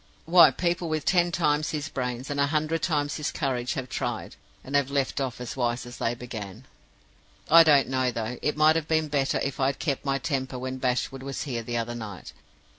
Why, people with ten times his brains, and a hundred times his courage, have tried and have left off as wise as they began. "I don't know, though; it might have been better if I had kept my temper when Bashwood was here the other night.